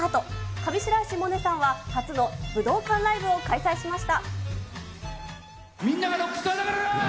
上白石萌音さんは初の武道館ライブを開催しました。